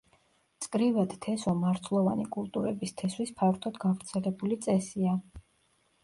მწკრივად თესვა მარცვლოვანი კულტურების თესვის ფართოდ გავრცელებული წესია.